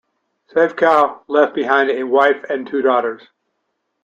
Saefkow left behind a wife and two daughters.